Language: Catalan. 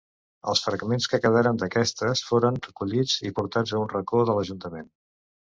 Els fragments que quedaren d'aquestes foren recollits i portats a un racó de l'Ajuntament.